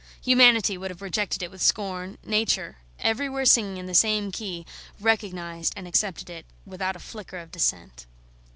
Humanity would have rejected it with scorn, Nature, everywhere singing in the same key, recognised and accepted it without a flicker of dissent.